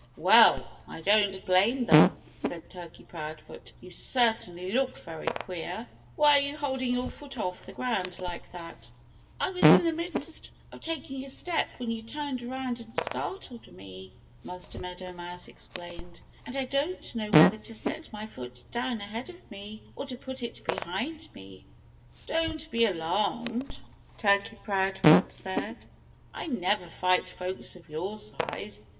"Well, I don't blame them," said Turkey Proudfoot. "You certainly look very queer. Why are you holding your foot off the ground like that?" "I was in the midst of taking a step when you turned around and startled me," Master Meadow Mouse explained. "And I don't know whether to set my foot down ahead of me, or to put it behind me." "Don't be alarmed!" Turkey Proudfoot said. "I never fight folks of your size.